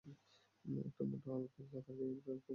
একটা মোটা আলখেল্লা তার গায়ে আর একটা পাতলা চাদর।